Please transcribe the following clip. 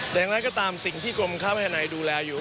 แต่อย่างไรก็ตามสิ่งที่กรมค้าภายในดูแลอยู่